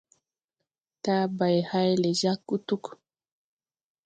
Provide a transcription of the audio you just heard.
Tàabay hay lɛ jag gutug.